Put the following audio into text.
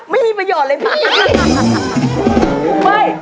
ไม่มีประหย่ออะไรพี่